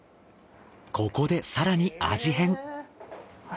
ここで更に味変。